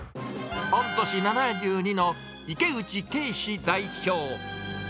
御年７２の池内計司代表。